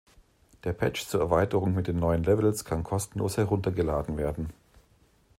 Der Patch zur Erweiterung mit den neuen Levels kann kostenlos heruntergeladen werden.